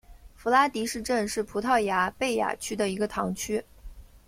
弗拉迪什镇是葡萄牙贝雅区的一个堂区。